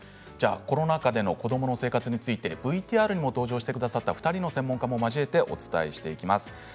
コロナ禍での子どもの生活についてＶＴＲでも登場してくださった２人の専門家を交えてお伝えしていきます。